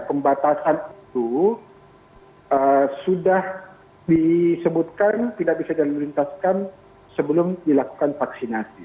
pembatasan itu sudah disebutkan tidak bisa dilintaskan sebelum dilakukan vaksinasi